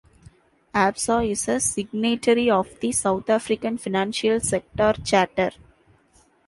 Absa is a signatory of the South African Financial Sector Charter.